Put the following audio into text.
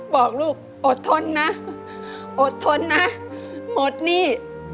บอกลูกอดทนนะอดทนนะหมดหนี้